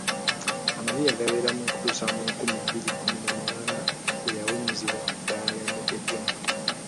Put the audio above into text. Amagye yagabeeramu okutuusa mu nkumi bbiri kkumi na munaana bwe yawummuzibwa ku ddala lya Major General